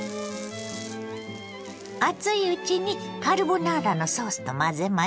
熱いうちにカルボナーラのソースと混ぜましょ。